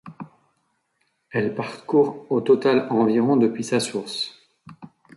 Elle parcourt au total environ depuis sa source.